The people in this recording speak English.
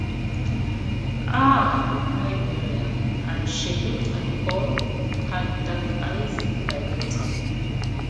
“Ah!” cried Miriam, and she looked at Paul, her dark eyes dilating.